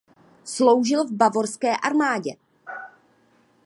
Sloužil v bavorské armádě.